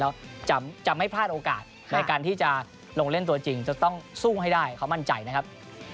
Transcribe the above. แล้วจะไม่พลาดโอกาสในการที่จะลงเล่นตัวจริงจะต้องสู้ให้ได้เขามั่นใจนะครับ